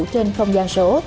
trên không gian số